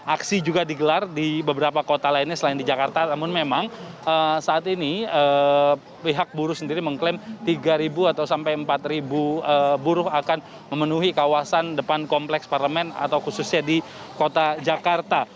aksi juga digelar di beberapa kota lainnya selain di jakarta namun memang saat ini pihak buruh sendiri mengklaim tiga atau sampai empat buruh akan memenuhi kawasan depan kompleks parlemen atau khususnya di kota jakarta